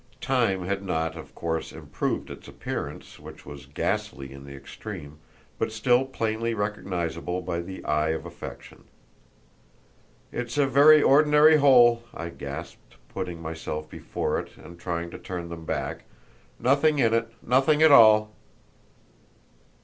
Time had not, of course, improved its appearance, which was ghastly in the extreme, but still plainly recognisable by the eye of affection. "It's a very ordinary hole," I gasped, putting myself before it and trying to turn them back. "Nothing in it—nothing at all!"